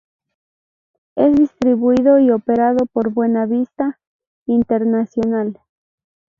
Es distribuido y operado por Buena Vista International.